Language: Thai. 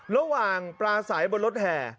ระหว่างปลาใสบนรถแห่